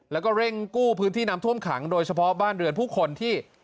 แล้วก็เร่งกู้พื้นที่น้ำท่วมขังโดยเฉพาะบ้านเรือนผู้คนที่